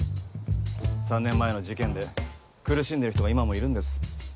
３年前の事件で苦しんでる人が今もいるんです。